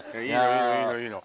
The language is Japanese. いいのいいのいいの。